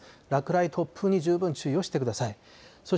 落雷、突風に十分注意をしてください。